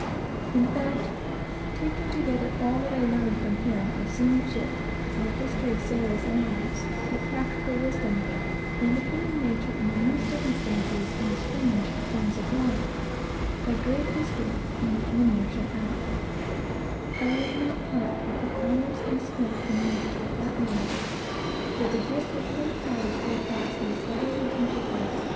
In fact, taking together all that I learned from him of seamanship, of the history of sailors' lives, of practical wisdom, and of human nature under new circumstances, a great history from which many are shut out, I would not part with the hours I spent in the watch with that man for any given hours of my life passed in study and social intercourse.